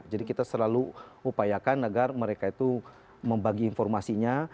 jadi kita selalu upayakan agar mereka itu membagi informasinya